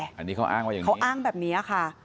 สำเร็จของพวกที่ให้ตอบเลย